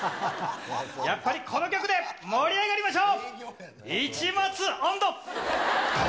やっぱりこの曲で盛り上がりましょう。